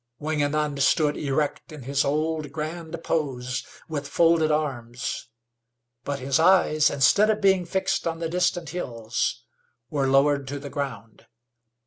Wingenund stood erect in his old, grand pose, with folded arms, but his eyes, instead of being fixed on the distant hills, were lowered to the ground.